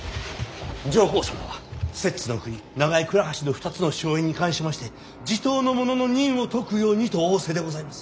上皇様は摂津国長江倉橋の２つの荘園に関しまして地頭の者の任を解くようにと仰せでございます。